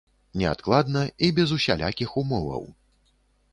Неадкладна і без усялякіх умоваў.